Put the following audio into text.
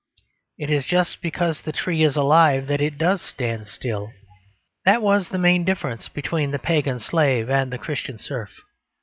It is just because the tree is alive that it does stand still. That was the main difference between the pagan slave and the Christian serf.